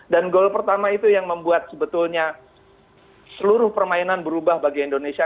dan gol pertama itu yang membuat sebetulnya seluruh permainan berubah bagi indonesia